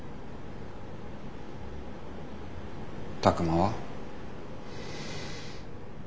拓真は？